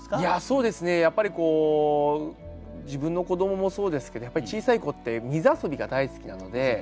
そうですねやっぱり自分の子どももそうですけどやっぱり小さい子って水遊びが大好きなので。